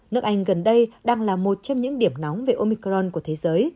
nước anh gần đây đang là một trong những điểm nóng về omicron của thế giới